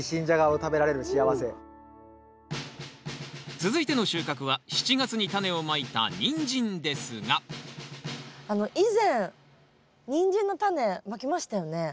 続いての収穫は７月にタネをまいたニンジンですが以前ニンジンのタネまきましたよね？